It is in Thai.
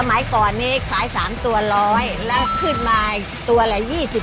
สมัยก่อนนี้ขาย๓ตัว๑๐๐แล้วขึ้นมาตัวละ๒๐